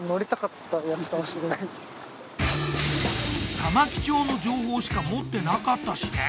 玉城町の情報しか持ってなかったしね。